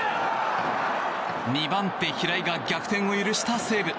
２番手、平井が逆転を許した西武。